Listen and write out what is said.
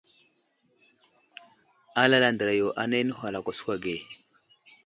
Alal andra yo anay nəhwal a kwaskwa ge.